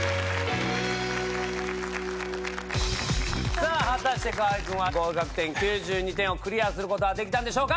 さぁ果たして河合君は合格点９２点をクリアすることはできたんでしょうか？